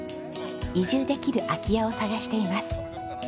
移住できる空き家を探しています。